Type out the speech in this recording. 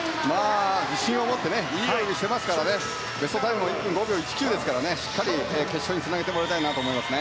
自信を持っていい泳ぎをしているのでベストタイムも１分５秒１９ですからしっかり決勝につなげてもらいたいなと思います。